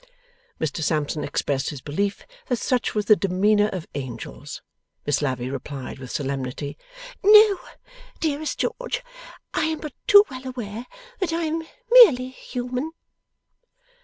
Mr Sampson expressed his belief that such was the demeanour of Angels. Miss Lavvy replied with solemnity, 'No, dearest George, I am but too well aware that I am merely human.